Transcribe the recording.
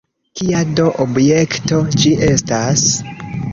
Kia do objekto ĝi estas?